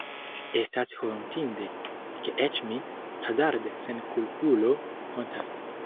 Estas hontinde, ke eĉ mi, hazarda senkulpulo, hontas.